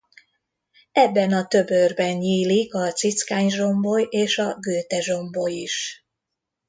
Ebben a töbörben nyílik a Cickány-zsomboly és a Gőte-zsomboly is.